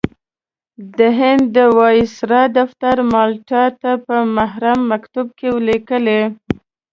د هند د وایسرا دفتر مالټا ته په محرم مکتوب کې لیکلي.